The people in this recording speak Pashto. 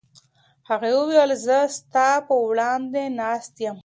هغې وویل چې زه ستا په وړاندې ناسته یم.